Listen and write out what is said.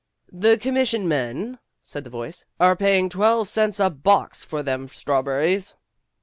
"The commission men," said the voice, "are paying twelve cents a box for them strawberries."